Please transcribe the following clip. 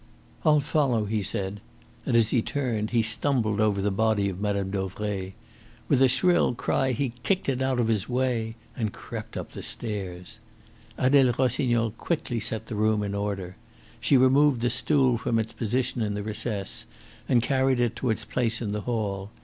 "I'll follow," he said, and as he turned he stumbled over the body of Mme. Dauvray. With a shrill cry he kicked it out of his way and crept up the stairs. Adele Rossignol quickly set the room in order. She removed the stool from its position in the recess, and carried it to its place in the hall.